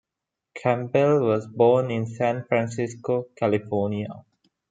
Campbell was born in San Francisco, California.